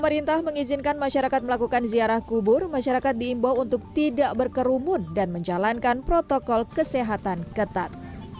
pemerintah mengizinkan masyarakat melakukan ziarah kubur masyarakat diimbau untuk tidak berkerumun dan menjalankan protokol kesehatan ketat